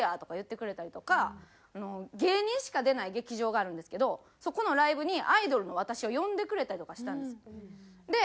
芸人しか出ない劇場があるんですけどそこのライブにアイドルの私を呼んでくれたりとかしたんですよ。